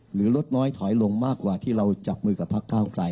ลดน้อยถอยลงมากกว่าที่เราจับมือกับพักเก้าไกล